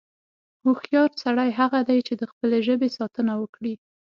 هوښیار سړی هغه دی، چې د خپلې ژبې ساتنه وکړي.